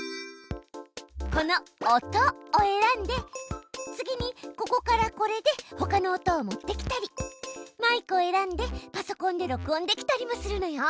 この「音」を選んで次にここからこれでほかの音を持ってきたりマイクを選んでパソコンで録音できたりもするのよ。